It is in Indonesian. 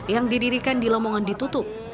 yang didirikan di lamongan ditutup